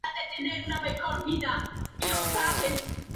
Su construcción y uso ha sido debatido por partidarios y críticos.